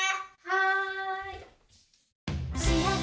はい。